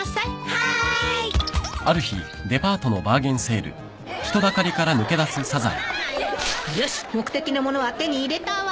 はーい！よし目的の物は手に入れたわ！